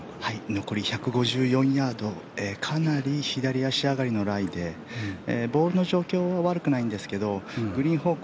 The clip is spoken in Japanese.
残り１５４ヤードかなり左足上がりのライでボールの状況は悪くないんですがグリーン方向